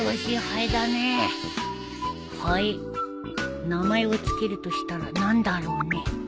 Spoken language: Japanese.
ハエ名前を付けるとしたら何だろうね